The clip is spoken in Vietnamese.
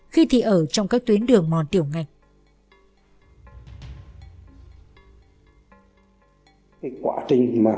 khi thì ở trong các tuyến đường mòn tiểu ngạch